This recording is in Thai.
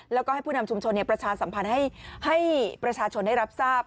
แล้วก็ให้ผู้นำชุมชนประชาสัมพันธ์ให้ประชาชนได้รับทราบ